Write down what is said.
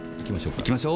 行きましょう！